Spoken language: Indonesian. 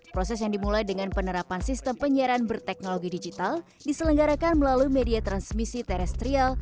proses yang dimulai dengan penerapan sistem penyiaran berteknologi digital diselenggarakan melalui media transmisi terestrial